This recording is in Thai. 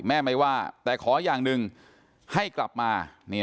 แม่ไม่ว่าแต่ขออย่างหนึ่งให้กลับมา